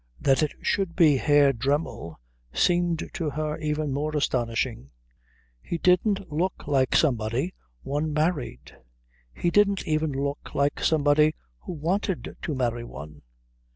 That it should be Herr Dremmel seemed to her even more astonishing. He didn't look like somebody one married. He didn't even look like somebody who wanted to marry one.